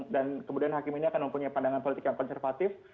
dan kemudian hakim ini akan mempunyai pandangan politik yang konservatif